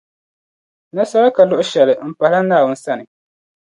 Nasara ka luɣushɛli m-pahila Naawuni sani.